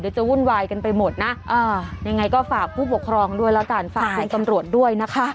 เดี๋ยวจะวุ่นวายกันไปหมดน่ะอ่ายังไงก็ฝากผู้ปกครองด้วยแล้วต่างฝากผู้ตำรวจด้วยนะคะ